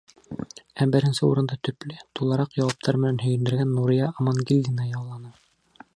Ә беренсе урынды төплө, тулыраҡ яуаптар менән һөйөндөргән Нурия Амангилдина яуланы.